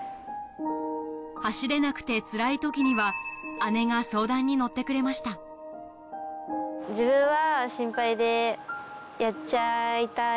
走れなくてつらい時には姉が相談に乗ってくれました自分は。